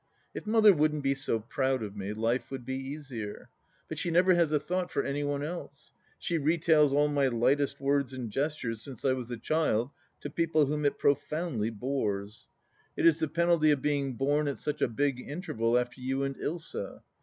If Mother wouldn't be so proud of me, life would be easier. But she never has a thought for any one else. She retails all my lightest words and gestures since I was a child to people whom it profoundly bores. It is the penalty of being born at such a big interval after you and Ilsa.